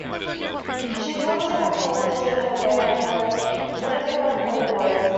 She tours and records with her band, the Zydeco Playboys.